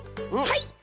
はい！